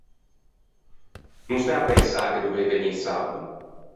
No stæ à pensâ che dovei vegnî sabbo.